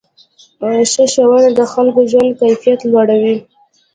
ښه ښوونه د خلکو ژوند کیفیت لوړوي.